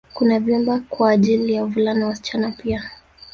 Kuna vyumba kwaajili ya wavulana na wasichana pia